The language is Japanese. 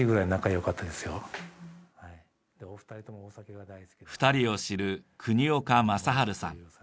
２人を知る國岡正治さん。